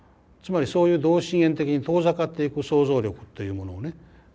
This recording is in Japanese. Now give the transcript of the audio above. つまりそういう同心円的に遠ざかっていく想像力っていうものをね